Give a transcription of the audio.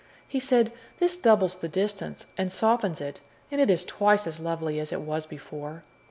He said, "This doubles the distance and softens it, and it is twice as lovely as it was before."